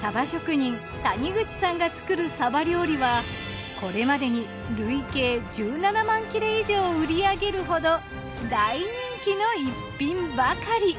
サバ職人谷口さんが作るサバ料理はこれまでに累計１７万切れ以上売り上げるほど大人気の逸品ばかり。